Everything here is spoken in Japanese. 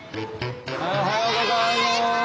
おはようございます。